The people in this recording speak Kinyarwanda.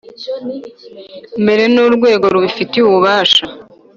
Mbere n urwego rubifitiye ububasha